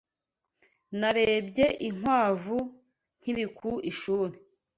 Narebye inkwavu nkiri ku ishuri.